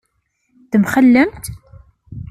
Temxellemt?